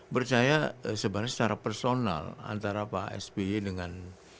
percaya sebenarnya secara personal antara pak sby dengan